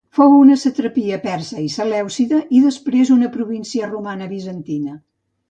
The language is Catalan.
Fou una satrapia persa i selèucida, i després una província romana i bizantina.